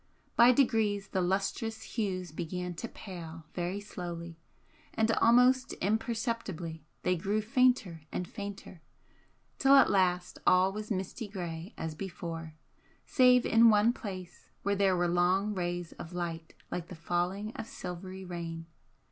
By degrees the lustrous hues began to pale very slowly, and almost imperceptibly they grew fainter and fainter till at last all was misty grey as before, save in one place where there were long rays of light like the falling of silvery rain.